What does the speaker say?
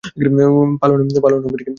পালোয়ান হবি নাকি?